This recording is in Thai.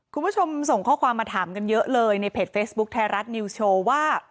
คุณผู้ชมส่งข้อความมาถามกันเยอะเลยในเพจเฟซบุ๊คไทยรัฐนิวโชว์ว่า